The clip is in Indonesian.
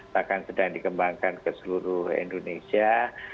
bahkan sedang dikembangkan ke seluruh indonesia